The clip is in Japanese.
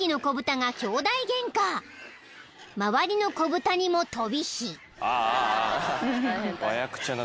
［周りの子豚にも飛び火］